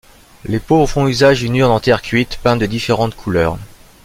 Les pauvres font usage d'une urne en terre cuite, peinte de différente couleurs.